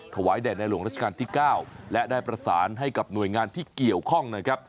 แด่ในหลวงราชการที่๙และได้ประสานให้กับหน่วยงานที่เกี่ยวข้องนะครับ